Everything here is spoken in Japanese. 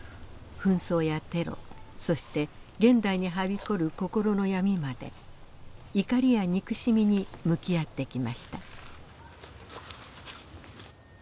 紛争やテロそして現代にはびこる心の闇まで怒りや憎しみに向き合ってきました。